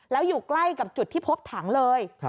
แล้วอยู่ใกล้กับจุดที่พบถังเลย